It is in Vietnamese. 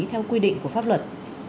theo quy định của pháp luật